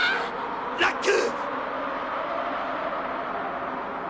ラック！